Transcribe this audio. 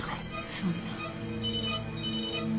そんな。